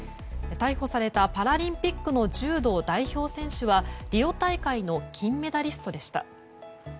逮捕されたパラリンピックの柔道代表選手はリオ大会の金メダリストでした。